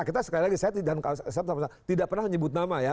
kita sekali lagi saya tidak pernah nyebut nama ya